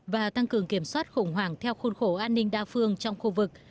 và tăng cường kiểm soát khủng hoảng theo khuôn khổ an ninh đa phương trong khu vực